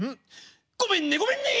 ごめんねごめんね」。